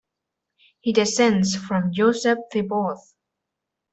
He descends from Joseph Thebaud.